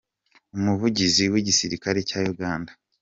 umuvugizi w’igisirikare cya Uganda.